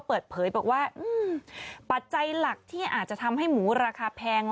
เปิดเผยบอกว่าปัจจัยหลักที่อาจจะทำให้หมูราคาแพง